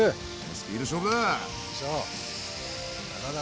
スピード勝負だ！